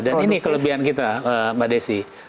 dan ini kelebihan kita mbak desy